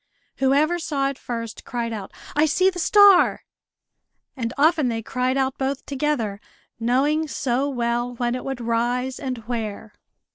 Whoever saw it first cried out, "I see the star!" And often they cried out both together, knowing so well when it would rise, and where.